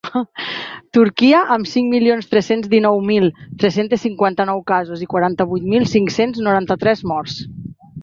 Turquia, amb cinc milions tres-cents dinou mil tres-cents cinquanta-nou casos i quaranta-vuit mil cinc-cents noranta-tres morts.